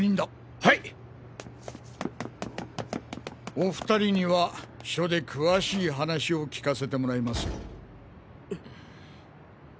お２人には署で詳しい話を聞かせてもらいますよ。